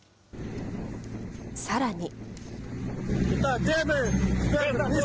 さらに。